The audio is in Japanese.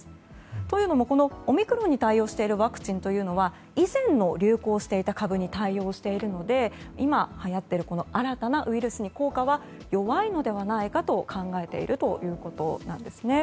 というのもこのオミクロンに対応しているワクチンというのは以前の流行していた株に対応しているので今、はやっている新たなウイルスに効果は弱いのではないかと考えているということです。